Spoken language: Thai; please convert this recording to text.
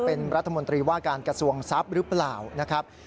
เป็นรัฐมนตรีว่าการกระทรวงทรัพย์หรือเปล่านะครับ